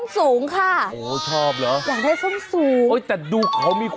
สกิดยิ้ม